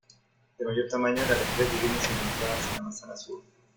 De mayor tamaño eran las tres viviendas encontradas en la manzana sur.